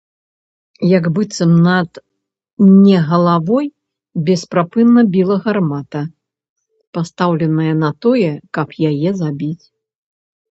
Як быццам над не галавой бесперапынна біла гармата, пастаўленая на тое, каб яе забіць.